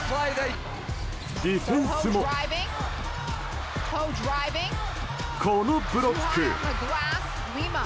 ディフェンスも、このブロック。